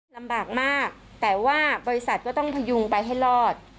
ลำบากมากแต่ว่าบริษัทก็ต้องพยุงไปให้รอด